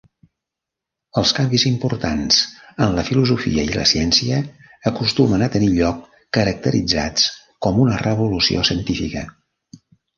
Els canvis importants en la filosofia i la ciència acostumen a tenir lloc caracteritzats com una revolució científica.